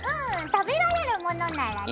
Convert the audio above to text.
食べられるものならね。